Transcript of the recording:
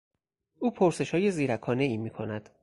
او پرسشهای زیرکانهای میکند.